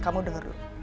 kamu dengar dulu